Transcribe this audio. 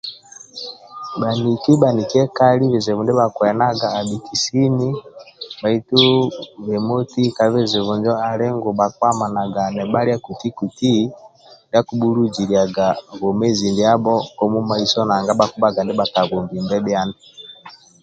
Bhaniki bhanikiekali bizibu ndia bhakienaga abhiki sini bhaitu be moti ka bizibu injo ali ngu bhakiamanaga nibhalia kuti kuti sini ndia akibhuluziliaga bwomezi ndiabho kamumaiso nanga bhakibhaga ndia bhakabombimbe bhiani